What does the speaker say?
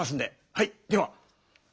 はいでは。